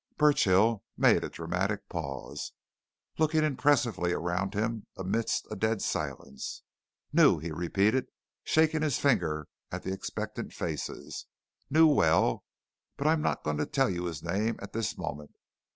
Burchill made a dramatic pause, looking impressively around him amidst a dead silence. "Knew!" he repeated, shaking his finger at the expectant faces. "Knew well! But I am not going to tell you his name at this moment.